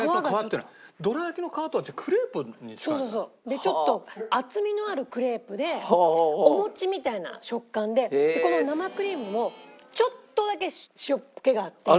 でちょっと厚みのあるクレープでお餅みたいな食感でこの生クリームもちょっとだけ塩っ気があって。